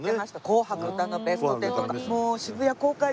『紅白歌のベストテン』とか。